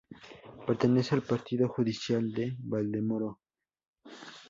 Pertenece al partido judicial de Valdemoro.